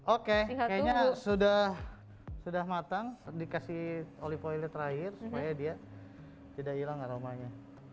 oke kayaknya sudah sudah matang dikasih olive oil terakhir supaya dia tidak hilang aromanya